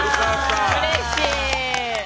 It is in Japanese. うれしい。